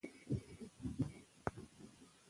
انګریزان له چا سره جنګېدل؟